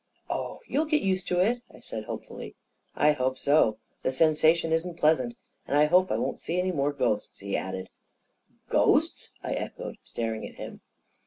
" Oh, you'll get used to it," I said hopefully. " I hope so. The sensation isn't pleasant. And I hope I won^see any more ghosts," he added. " Ghosts !" I echoed, staring at him.